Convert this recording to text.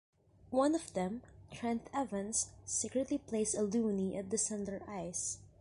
One of them, Trent Evans, secretly placed a loonie at centre ice.